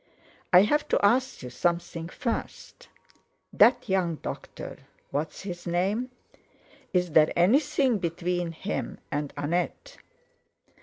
"I have to ask you something first: That young doctor—what's his name? Is there anything between him and Annette?"